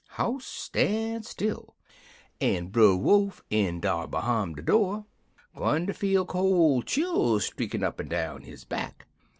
"House stan' still, en Brer Wolf in dar behime de door 'gun ter feel col' chills streakin' up and down his back.